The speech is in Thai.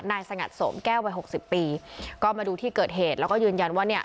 สงัดโสมแก้ววัยหกสิบปีก็มาดูที่เกิดเหตุแล้วก็ยืนยันว่าเนี่ย